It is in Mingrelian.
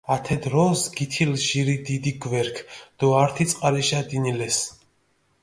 ათე დროს გითილჷ ჟირი დიდი გვერქჷ დო ართი წყარიშა დინილესჷ.